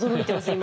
今。